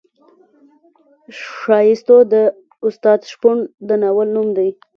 ښایستو د استاد شپون د ناول نوم دی.